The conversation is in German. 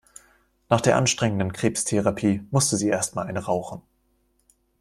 Nach der anstrengenden Krebstherapie musste sie erst mal eine rauchen.